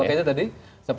sebenarnya makanya tadi